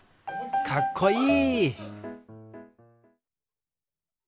かっこいい！